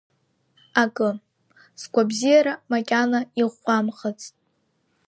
Акы, сгәабзиара макьана иӷәӷәамхацт.